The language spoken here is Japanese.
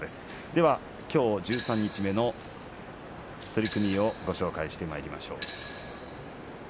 では、きょう十三日目の取組をご紹介してまいりましょう。